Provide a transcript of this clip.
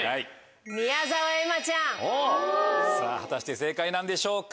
果たして正解なんでしょうか？